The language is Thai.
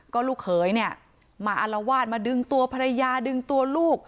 ก็ลูกเขยเนี่ยมาอารวาสมาดึงตัวภรรยาดึงตัวลูก